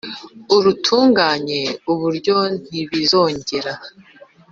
urutunganye uburyo ntibi zongera